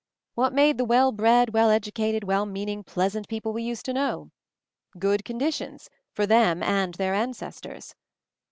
What made the well bred, well educated, well meaning, pleasant people we used to know? Good conditions, for them and their ancestors.